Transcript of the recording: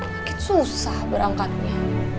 makin susah berangkatnya